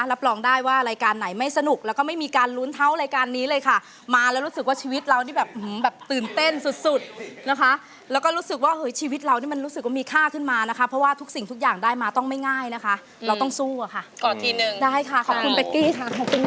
ในเพลงที่๖คุณถนนนะครับในเพลงที่๖คุณถนนนะครับในเพลงที่๖คุณถนนนะครับในเพลงที่๖คุณถนนนะครับในเพลงที่๖คุณถนนนะครับในเพลงที่๖คุณถนนนะครับในเพลงที่๖คุณถนนนะครับในเพลงที่๖คุณถนนนะครับในเพลงที่๖คุณถนนนะครับในเพลงที่๖คุณถนนนะครับในเพลงที่๖คุณถนนนะครับในเพลงที่๖คุณ